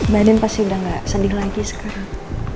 biden pasti udah gak sedih lagi sekarang